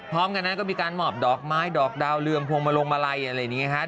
พร้อมกันนั้นก็มีการหมอบดอกไม้ดอกดาวเรืองพวงมาลงมาลัยอะไรอย่างนี้ฮะ